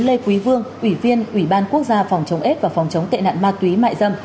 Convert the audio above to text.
lê quý vương ủy viên ủy ban quốc gia phòng chống s và phòng chống tệ nạn ma túy mại dâm